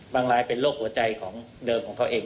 รายเป็นโรคหัวใจของเดิมของเขาเอง